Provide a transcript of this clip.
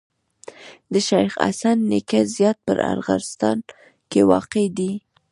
د شيخ حسن نیکه زیارت په ارغستان کي واقع دی.